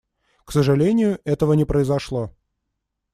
К сожалению, этого не произошло.